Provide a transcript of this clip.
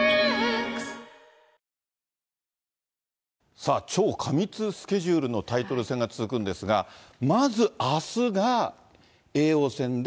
さあ、超過密スケジュールのタイトル戦が続くんですが、まずあすが叡王戦で。